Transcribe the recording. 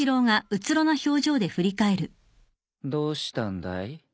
どうしたんだい？